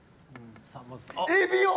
エビを。